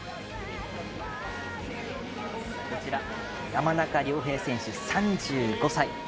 こちら、山中亮平選手、３５歳。